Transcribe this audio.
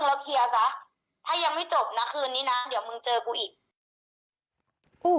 เราเคลียร์ซะถ้ายังไม่จบนะคืนนี้นะเดี๋ยวมึงเจอกูอีก